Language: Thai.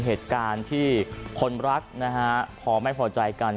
เหตุการณ์ที่คนรักนะฮะพอไม่พอใจกัน